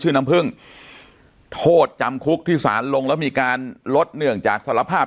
น้ำผึ้งโทษจำคุกที่สารลงแล้วมีการลดเนื่องจากสารภาพ